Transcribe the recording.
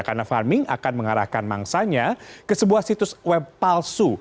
karena farming akan mengarahkan mangsanya ke sebuah situs web palsu